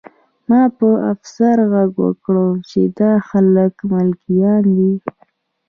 ما په افسر غږ وکړ چې دا خلک ملکیان دي